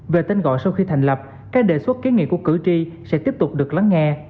về tên gọi sau khi thành lập các đề xuất kiến nghị của cử tri sẽ tiếp tục được lắng nghe